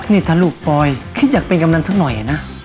นี่ท่านลูกบ่อยที่อยากเป็นกำแนนทั้งหน่อยนะ